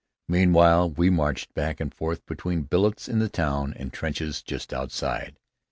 Meanwhile, we marched back and forth between billets in the town and trenches just outside.